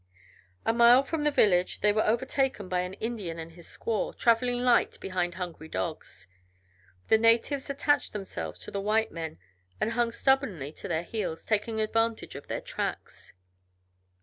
A mile from the village they were overtaken by an Indian and his squaw, traveling light behind hungry dogs. The natives attached themselves to the white men and hung stubbornly to their heels, taking advantage of their tracks.